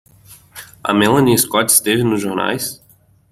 A Melanie Scott esteve nos jornais?